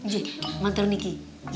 jom mantap niki